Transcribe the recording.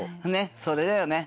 それだよね。